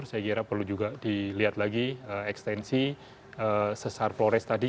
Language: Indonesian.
saya kira perlu juga dilihat lagi ekstensi sesar flores tadi